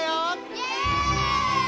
イエーイ！